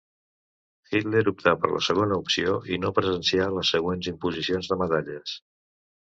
Hitler optà per la segona opció i no presencià les següents imposicions de medalles.